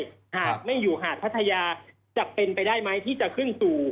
หากไม่อยู่หาดพัทยาจะเป็นไปได้ไหมที่จะขึ้นสู่